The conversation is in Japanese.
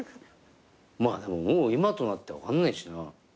まあでももう今となっては分かんないしな。